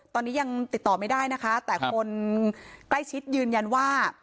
ตอนนี้ยังติดต่อไม่ได้นะคะแต่คนใกล้ชิดยืนยันว่า